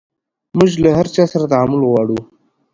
موژ له هر چا سره تعامل غواړو